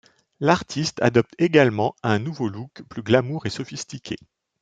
L'artiste adopte également un nouveau look plus glamour et sophistiqué.